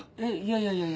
いやいやいや。